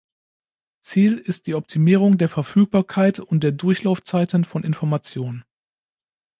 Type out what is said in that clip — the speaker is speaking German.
Ziel ist die Optimierung der Verfügbarkeit und der Durchlaufzeiten von Information.